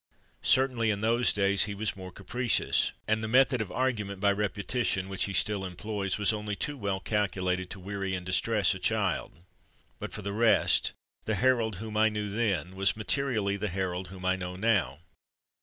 Cer tainly in those days he was more capricious, and the method of argument by repetition, which he still employs, was only too well calculated to weary and distress a child. But for the rest, the Harold whom I knew then was materially the Harold whom I know now.